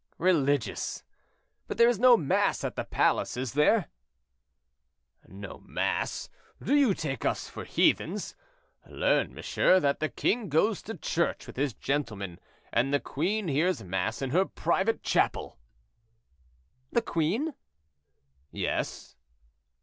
"Religious! But there is no mass at the palace, is there?" "No mass; do you take us for heathens? Learn, monsieur, that the king goes to church with his gentlemen, and the queen hears mass in her private chapel." "The queen?" "Yes."